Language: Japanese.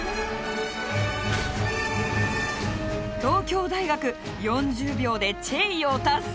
東京大学４０秒でチェイヨー達成！